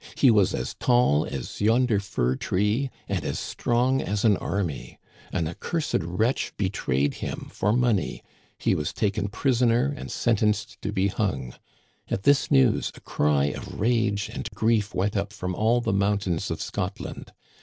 He was as tall as yonder fir tree and as strong as an army. An accursed wretch betrayed him for money, he was taken prisoner and sen tenced to be hung. At this news a cry of rage and grief went up from all the mountains of Scotland.